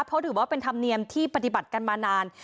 เพราะถือว่าเป็นธรรมเนียมที่ปฏิบัติกันมานาน